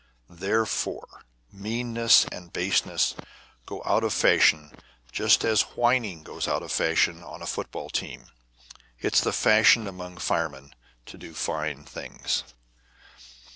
Therefore, meanness and baseness go out of fashion just as whining goes out of fashion on a football team. It's the fashion among firemen to do fine things.